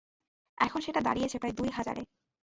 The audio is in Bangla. এখন সেটা দাঁড়িয়েছে প্রায় দুই হাজারে।